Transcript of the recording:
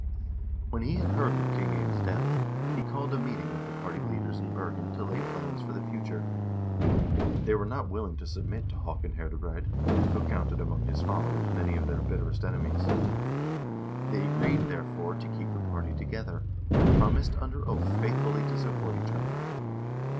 When he had heard of King Inge's death, he called a meeting of the party leaders in Bergen to lay plans for the future. They were not willing to submit to Haakon Herdebreid, who counted among his followers many of their bitterest enemies. They agreed, therefore, to keep the party together, and promised under oath faithfully to support each other.